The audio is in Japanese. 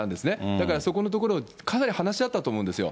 だからそこのところをかなり話し合ったと思うんですよ。